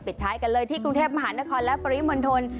ท้ายกันเลยที่กรุงเทพมหานครและปริมณฑล